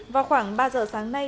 vào khoảng ba giờ sáng nay